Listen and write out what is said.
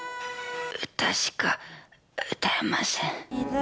歌しか歌えません。